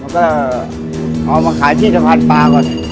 ก็เอามาขายที่สะพานปลาก่อน